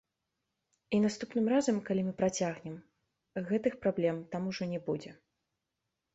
І наступным разам, калі мы працягнем, гэты х праблем там ужо не будзе.